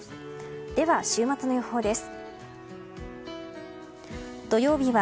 では、週末の予報です。